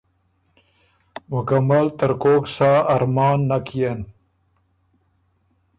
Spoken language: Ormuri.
مکمل ترکوک سال ارمان نک يېن۔